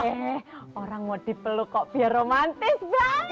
eh orang mau dipeluk kok biar romantis